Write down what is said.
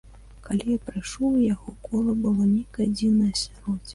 Калі я прыйшоў у яго кола, было нейкае дзіўнае асяроддзе.